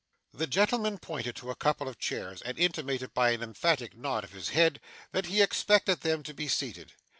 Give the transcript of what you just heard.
The gentleman pointed to a couple of chairs, and intimated by an emphatic nod of his head that he expected them to be seated.